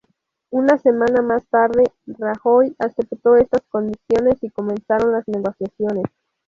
Una semana más tarde, Rajoy aceptó estas condiciones y comenzaron las negociaciones.